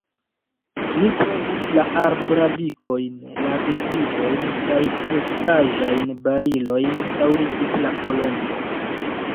"Mi provis la arbradikojn, la deklivojn, kaj kreskaĵajn barilojn," daŭrigis la Kolombo.